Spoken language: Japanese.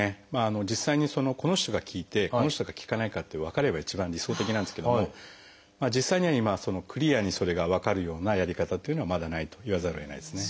実際にこの人が効いてこの人が効かないかって分かれば一番理想的なんですけども実際には今クリアにそれが分かるようなやり方というのはまだないと言わざるをえないですね。